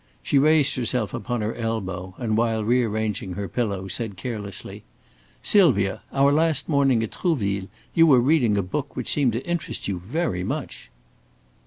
She raised herself upon her elbow, and while rearranging her pillow said carelessly: "Sylvia, our last morning at Trouville you were reading a book which seemed to interest you very much."